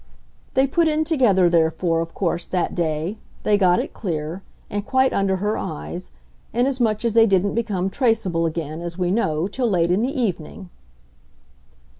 They put in together, therefore, of course, that day; they got it clear and quite under her eyes; inasmuch as they didn't become traceable again, as we know, till late in the evening."